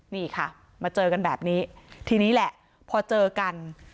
นี่ค่ะมาเจอกันแบบนี้ทีนี้แหละพอเจอกัน